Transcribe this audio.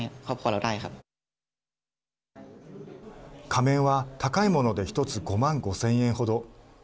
仮面は、高いもので１つ５万５０００円ほど。